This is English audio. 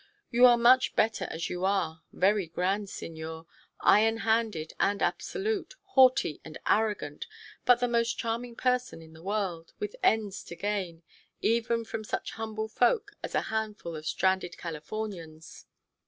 You are much better as you are very grand seigneur, iron handed and absolute, haughty and arrogant, but the most charming person in the world, with ends to gain, even from such humble folk as a handful of stranded Californians.